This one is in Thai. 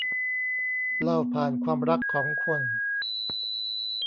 เล่าผ่านความรักของคน